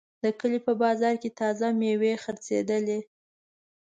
د کلي په بازار کې تازه میوې خرڅېدلې.